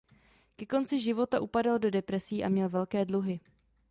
Ke konci života upadal do depresí a měl velké dluhy.